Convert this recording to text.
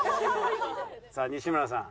さあ西村さん。